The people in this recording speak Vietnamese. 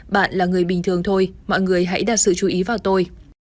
bạn là người bình thường thôi mọi người hãy đặt sự chú ý vào tôi